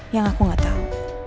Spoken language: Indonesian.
yang aku tidak tahu